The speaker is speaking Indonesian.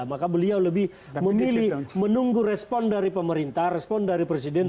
maka beliau lebih memilih menunggu respon dari pemerintah respon dari presiden